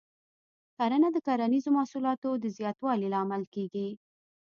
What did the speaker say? کرنه د کرنیزو محصولاتو د زیاتوالي لامل کېږي.